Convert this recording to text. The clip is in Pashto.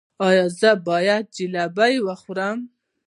ایا زه باید جلبي وخورم؟